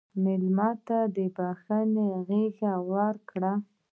مېلمه ته د بښنې غېږ ورکړه.